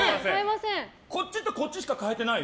こっちとこっちしか変えてないよ。